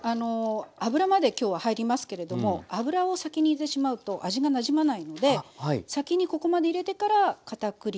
油まで今日は入りますけれども油を先に入れてしまうと味がなじまないので先にここまで入れてから片栗粉。